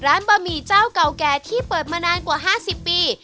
บะหมี่เจ้าเก่าแก่ที่เปิดมานานกว่า๕๐ปี